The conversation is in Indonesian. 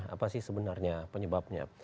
apa sih sebenarnya penyebabnya